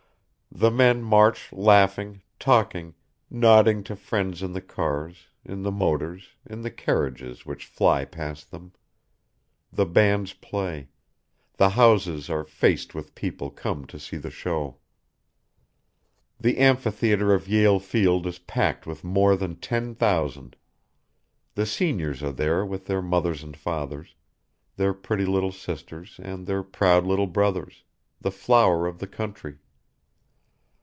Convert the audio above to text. The men march laughing, talking, nodding to friends in the cars, in the motors, in the carriages which fly past them; the bands play; the houses are faced with people come to see the show. The amphitheatre of Yale Field is packed with more than ten thousand. The seniors are there with their mothers and fathers, their pretty little sisters and their proud little brothers the flower of the country.